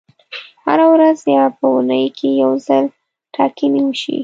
هره ورځ یا په اونۍ کې یو ځل ټاکنې وشي.